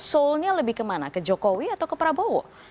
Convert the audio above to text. soulnya lebih kemana ke jokowi atau ke prabowo